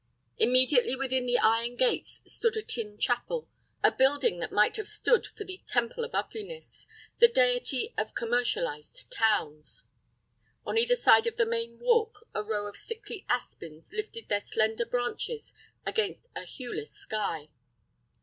Immediately within the iron gates stood a tin chapel, a building that might have stood for the Temple of Ugliness, the deity of commercialized towns. On either side of the main walk a row of sickly aspens lifted their slender branches against a hueless sky.